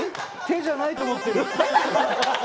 手じゃないと思ってる！